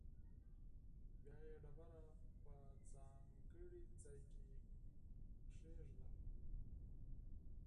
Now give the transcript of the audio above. بیا یې ډبره په ځانګړي ځاې کې کېښوده.